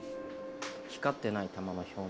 光ってない玉の表面。